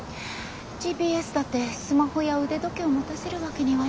ＧＰＳだってスマホや腕時計を持たせるわけにはいかないし。